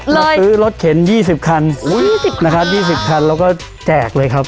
เราซื้อรถเข็นยี่สิบคันอุ้ยยี่สิบคันนะครับยี่สิบคันแล้วก็แจกเลยครับ